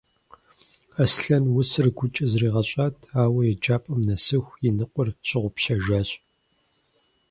Аслъэн усэр гукӏэ зэригъэщӏат, ауэ еджапӏэм нэсыху и ныкъуэр щыгъупщэжащ.